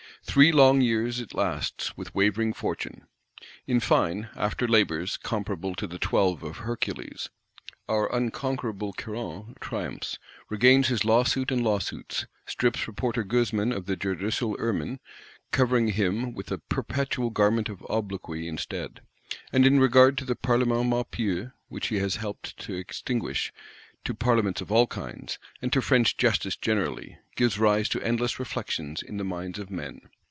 Three long years it lasts; with wavering fortune. In fine, after labours comparable to the Twelve of Hercules, our unconquerable Caron triumphs; regains his Lawsuit and Lawsuits; strips Reporter Goezman of the judicial ermine; covering him with a perpetual garment of obloquy instead:—and in regard to the Parlement Maupeou (which he has helped to extinguish), to Parlements of all kinds, and to French Justice generally, gives rise to endless reflections in the minds of men.